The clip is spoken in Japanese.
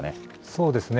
そうですね。